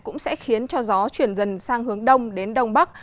cũng sẽ khiến cho gió chuyển dần sang hướng đông đến đông bắc